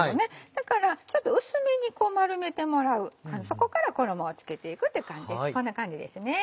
だからちょっと薄めにこう丸めてもらうそこから衣を付けていくっていうこんな感じですね。